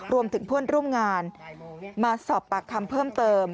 รวมถึงเพื่อนร่วมงานมาสอบปากคำเพิ่มเติม